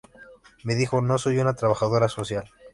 Me dijo: "No soy una trabajadora social.